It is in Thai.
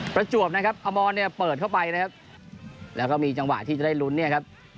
ประจวบนะครับอมรเนี่ยเปิดเข้าไปนะครับแล้วก็มีจังหวะที่จะได้ลุ้นเนี่ยครับ